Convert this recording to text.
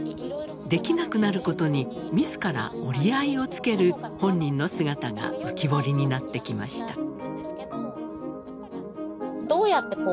できなくなることに自ら折り合いをつける本人の姿が浮き彫りになってきました。